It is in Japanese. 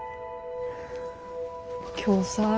今日さ。